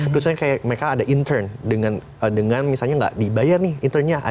misalnya kayak mereka ada intern dengan misalnya nggak dibayar nih internnya